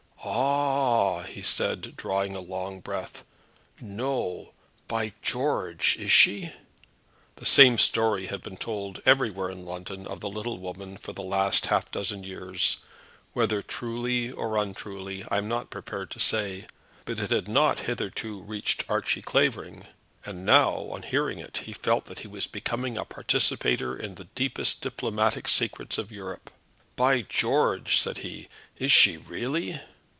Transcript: "Ah!" he said, drawing a long breath, "no; by George, is she?" The same story had been told everywhere in London of the little woman for the last half dozen years, whether truly or untruly I am not prepared to say; but it had not hitherto reached Archie Clavering; and now, on hearing it, he felt that he was becoming a participator in the deepest diplomatic secrets of Europe. "By George," said he, "is she really?"